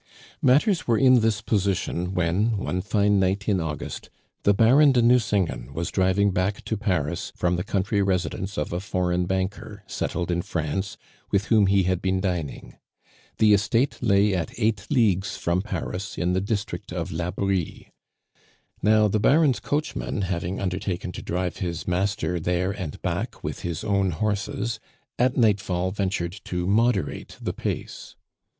Matters were in this position when, one fine night in August, the Baron de Nucingen was driving back to Paris from the country residence of a foreign banker, settled in France, with whom he had been dining. The estate lay at eight leagues from Paris in the district of la Brie. Now, the Baron's coachman having undertaken to drive his master there and back with his own horses, at nightfall ventured to moderate the pace.